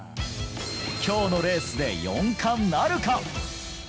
きょうのレースで４冠なるか？